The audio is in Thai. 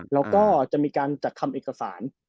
แล้วก็จะมีการจัดทำเอกสาร